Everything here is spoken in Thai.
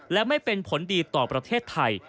และไม่เป็นผลดีต่อประเทศไทย